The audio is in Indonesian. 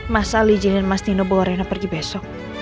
mas al ijinin mas dino bawa rena pergi besok